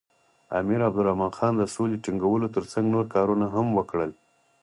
امیر عبدالرحمن خان د سولې ټینګولو تر څنګ نور کارونه هم وکړل.